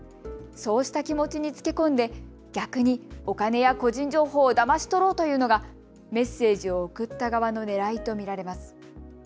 そうした気持ちにつけ込んで逆にお金や個人情報をだまし取ろうというのがメッセージを送った側のねらいと見られます。